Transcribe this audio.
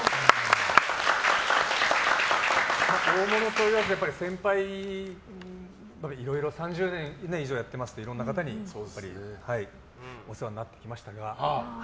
大物と言わず先輩はいろいろ３０年以上やってますからいろんな方にお世話になってきましたから。